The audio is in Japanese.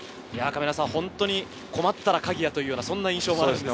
本当に困ったら鍵谷というか、そんな印象があります。